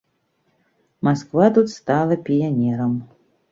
Масква тут стала піянерам.